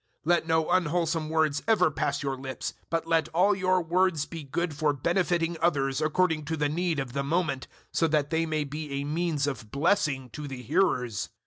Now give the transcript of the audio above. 004:029 Let no unwholesome words ever pass your lips, but let all your words be good for benefiting others according to the need of the moment, so that they may be a means of blessing to the hearers.